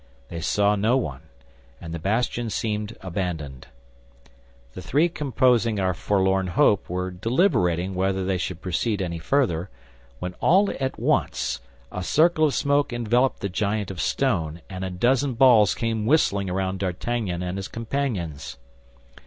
They saw no one, and the bastion seemed abandoned. The three composing our forlorn hope were deliberating whether they should proceed any further, when all at once a circle of smoke enveloped the giant of stone, and a dozen balls came whistling around D'Artagnan and his companions.